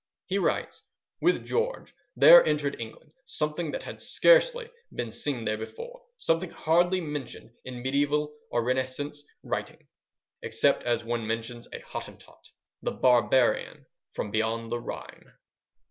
He writes:— With George there entered England something that had scarcely been seen there before; something hardly mentioned in mediaeval or Renascence writing, except as one mentions a Hottentot—the barbarian from beyond the Rhine.